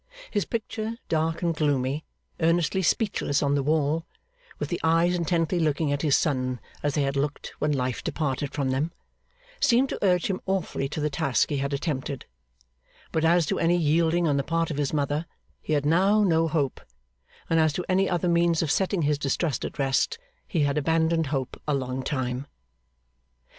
His picture, dark and gloomy, earnestly speechless on the wall, with the eyes intently looking at his son as they had looked when life departed from them, seemed to urge him awfully to the task he had attempted; but as to any yielding on the part of his mother, he had now no hope, and as to any other means of setting his distrust at rest, he had abandoned hope a long time.